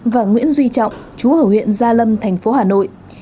và nguyễn duy trọng chú ở huyện gia lâm thành phố hà nội